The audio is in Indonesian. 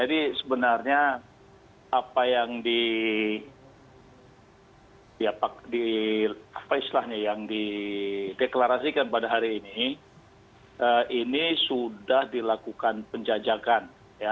sebenarnya apa yang dideklarasikan pada hari ini ini sudah dilakukan penjajakan